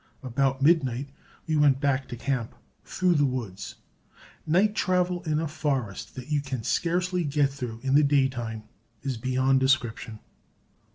About midnight we went back to camp, through the woods. Night travel in a forest that you can scarcely get through in the daytime is beyond description.